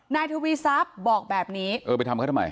นายทวีซัพบอกแบบนี้